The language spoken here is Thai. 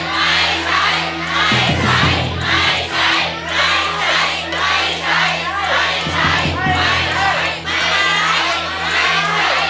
ไม่ใช่